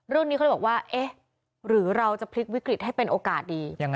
เรื่องนี้เขาเลยบอกว่าเอ๊ะหรือเราจะพลิกวิกฤตให้เป็นโอกาสดี